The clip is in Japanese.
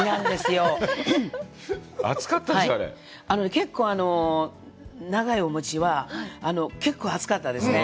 結構、長いお餅は、結構、熱かったですね。